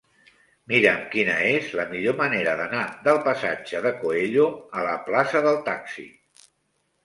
Mira'm quina és la millor manera d'anar del passatge de Coello a la plaça del Taxi.